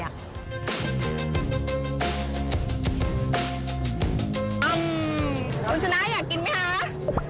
อรุณชนะอยากกินไหมคะ